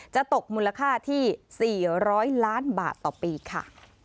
จะตกมูลค่าที่๔๐๐ล้านบาทต่อปีค่ะ